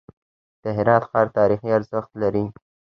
د هرات ښار تاریخي ارزښت لري.